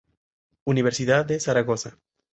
Universidad de Zaragoza.